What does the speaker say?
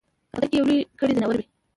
په کاله کی یې لوی کړي ځناور وي